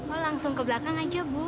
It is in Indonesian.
oh langsung ke belakang aja bu